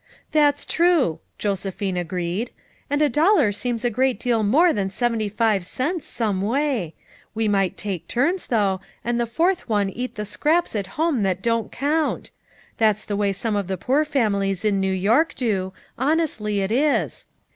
"That's true," Josephine agreed* "And a dollar seems a great deal more than seventy five cents, some way. We might take turns, though, and the fourth one eat the scraps at home that don't count. That's the way some of the poor families in New York do ; honestly it is.